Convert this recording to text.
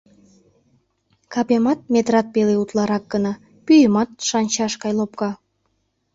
Капемат метрат пеле утларак гына, пӱемат шанчаш гай лопка.